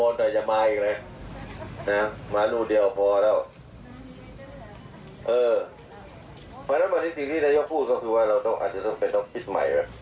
เออสิ่งที่นายกรัฐมนตรีพูดก็คือเราอาจจะต้องเป็นต้องพิษใหม่